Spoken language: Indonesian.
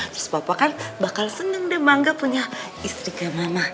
terus papa kan bakal seneng deh mangga punya istri kayak mama